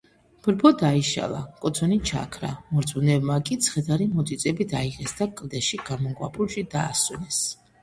ბრბო დაიშალა, კოცონი ჩაქრა, მორწმუნეებმა კი ცხედარი მოწიწებით აიღეს და კლდეში გამოქვაბულში დაასვენეს.